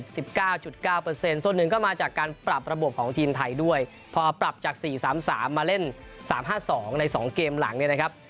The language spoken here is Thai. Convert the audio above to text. ส่วนหนึ่งก็มาจากการปรับระบบของทีมไทยด้วยพอปรับจาก๔๓๓มาเล่น๓๕๒ใน๒เกมหลังเนี่ยนะครับ